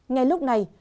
ngay lúc này